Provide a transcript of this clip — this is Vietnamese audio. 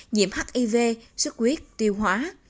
nhiệm hiv sức huyết tiêu hóa